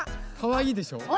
かわいいでしょ？